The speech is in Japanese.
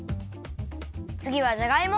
つぎはじゃがいも。